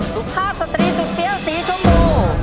สุภาพสตรีสุดเฟี้ยวสีชมพู